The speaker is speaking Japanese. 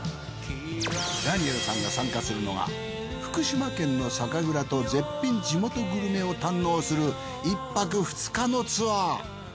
ダニエルさんが参加するのが福島県の酒蔵と絶品地元グルメを堪能する１泊２日のツアー。